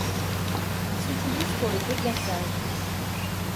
Il s'utilise pour le déglaçage.